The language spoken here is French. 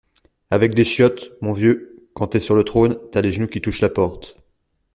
Avec des chiottes, mon vieux, quand t’es sur le trône t’as les genoux qui touchent la porte